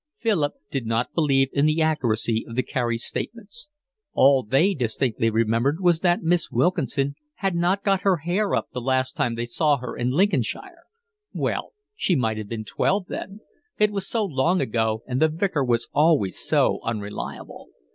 Philip did not believe in the accuracy of the Careys' statements. All they distinctly remembered was that Miss Wilkinson had not got her hair up the last time they saw her in Lincolnshire. Well, she might have been twelve then: it was so long ago and the Vicar was always so unreliable.